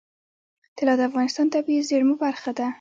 طلا د افغانستان د طبیعي زیرمو برخه ده.